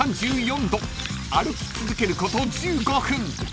［歩き続けること１５分］